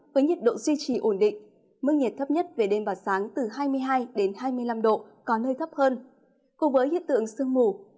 với nhiệt độ duy trì ổn định mức nhiệt thấp nhất về đêm và sáng từ hai mươi hai hai mươi năm độ có nơi thấp hơn cùng với hiện tượng sương mù